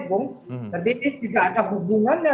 jadi ini tidak ada hubungannya